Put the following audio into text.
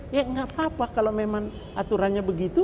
ya nggak apa apa kalau memang aturannya begitu